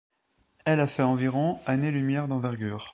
Elle fait environ années-lumière d'envergure.